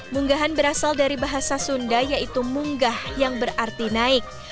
munggahan berasal dari bahasa sunda yaitu munggah yang berarti naik